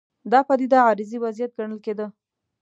دا پدیده عارضي وضعیت ګڼل کېده.